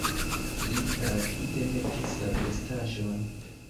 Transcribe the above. Li rapide metis la vestaĵon.